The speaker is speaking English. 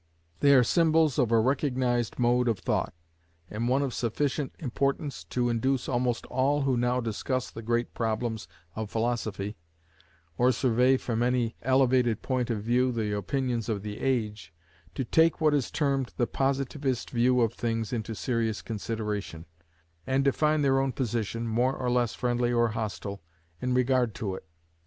They are symbols of a recognised mode of thought, and one of sufficient importance to induce almost all who now discuss the great problems of philosophy, or survey from any elevated point of view the opinions of the age, to take what is termed the Positivist view of things into serious consideration, and define their own position, more or less friendly or hostile, in regard to it.